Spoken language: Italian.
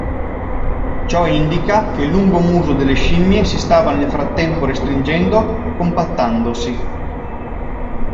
Ciò indica che il lungo muso delle scimmie si stava nel frattempo restringendo compattandosi.